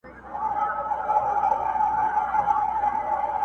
چي یې بیا دی را ایستلی د ګور مړی٫